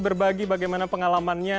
berbagi bagaimana pengalamannya